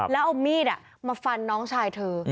แล้วเอามีดมาฟันน้องชายเธอ